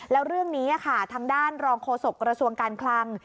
แล้วเรื่องนี้ค่ะทางด้านรองโฆษกระทรวงการคลัง